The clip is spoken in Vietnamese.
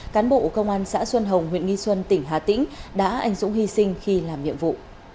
cán bộ công an xã xuân hồng huyện nghi xuân tỉnh hà tĩnh đã anh dũng hy sinh khi làm nhiệm vụ